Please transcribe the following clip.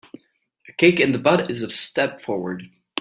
A kick in the butt is a step forward.